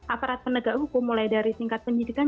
aparat penegak hukum mulai dari tingkat penyidikan